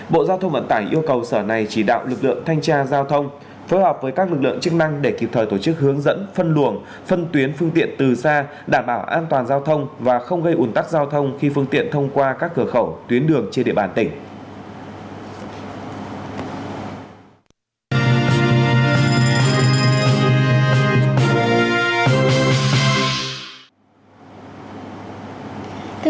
bộ giao thông vận tải yêu cầu sở này chỉ đạo lực lượng thanh tra giao thông phối hợp với các lực lượng chức năng để kịp thời tổ chức hướng dẫn phân luồng phân tuyến phương tiện từ xa đảm bảo an toàn giao thông và không gây ủn tắc giao thông khi phương tiện thông qua các cửa khẩu tuyến đường trên địa bàn tỉnh